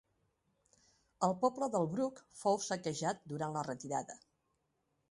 El poble del Bruc fou saquejat durant la retirada.